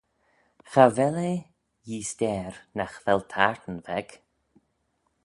Cha vel eh yeesteyr nagh vel tayrtyn veg.